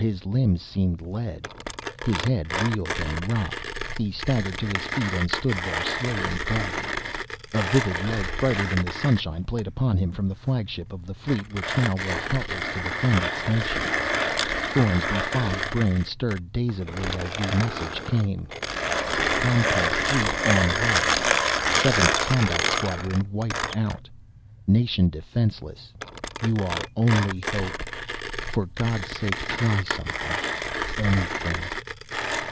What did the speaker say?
His limbs seemed lead. His head reeled and rocked. He staggered to his feet and stood there swaying dully. A vivid light, brighter than the sunshine, played upon him from the flagship of the fleet which now was helpless to defend its nation. Thorn's befogged brain stirred dazedly as the message came. "Com Pub fleet on way. Seventh Combat Squadron wiped out. Nation defenseless. You are only hope. For God's sake try something. Anything."